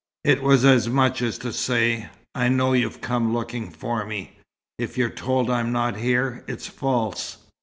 It was as much as to say, 'I know you've come looking for me. If you're told I'm not here, it's false.'